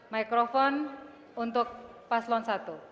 mikrofon untuk paslon satu